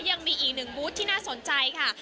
ยังมีอีกหนึ่งบูธที่น่าสนใจค่ะ